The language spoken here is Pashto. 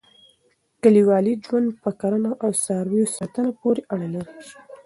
کلیوالي ژوند په کرنه او څاروي ساتنه پورې اړه لري.